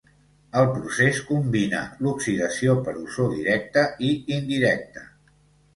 El procés combina l'oxidació per ozó directa i indirecta.